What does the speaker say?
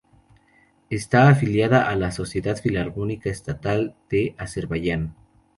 Está afiliada a la Sociedad Filarmónica Estatal de Azerbaiyán.